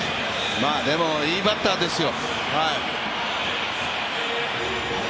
でもいいバッターですよ。